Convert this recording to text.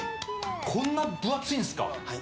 こんな分厚いんですか。